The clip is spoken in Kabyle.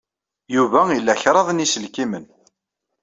Yuba ila kraḍ n yiselkimen.